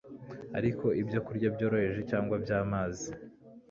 Ariko ibyokurya byoroheje cyangwa by’amazi